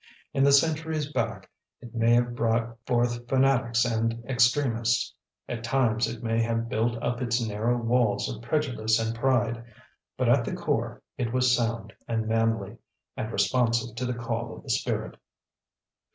In the centuries back it may have brought forth fanatics and extremists; at times it may have built up its narrow walls of prejudice and pride; but at the core it was sound and manly, and responsive to the call of the spirit.